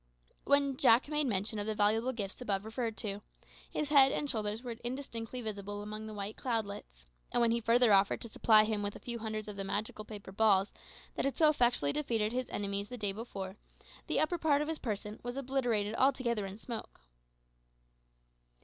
When Jack made mention of the valuable gifts above referred to, his head and shoulders were indistinctly visible amid the white cloudlets; and when he further offered to supply him with a few hundreds of the magical paper balls that had so effectually defeated his enemies the day before, the upper part of his person was obliterated altogether in smoke.